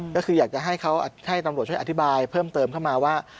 ก็คืออยากจะให้เขาให้ตำรวจช่วยอธิบายเพิ่มเติมเข้ามาว่า